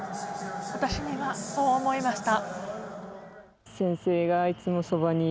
私にはそう思えました。